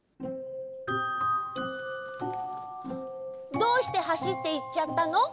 どうしてはしっていっちゃったの？